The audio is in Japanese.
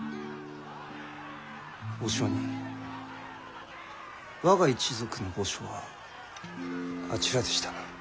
お上人我が一族の墓所はあちらでしたな。